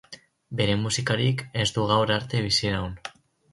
Bere musikarik ez du gaur arte biziraun.